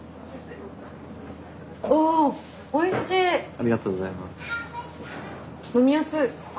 ありがとうございます。